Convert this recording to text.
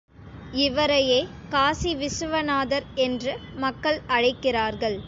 இவரையே காசி விசுவநாதர் என்று மக்கள் அழைக்கிறார்கள்.